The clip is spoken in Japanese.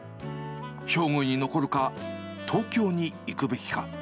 兵庫に残るか、東京に行くべきか。